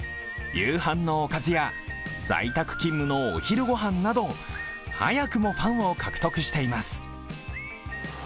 夕飯のおかずや在宅勤務のお昼御飯など、早くもファンを獲得しています。